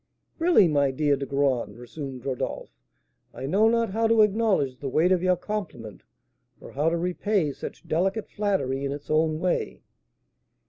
"Really, my dear De Graün," resumed Rodolph, "I know not how to acknowledge the weight of your compliment, or how to repay such delicate flattery in its own way."